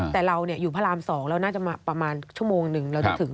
แต่เราอยู่พระราม๒เราน่าจะมาประมาณชั่วโมงหนึ่งเราจะถึง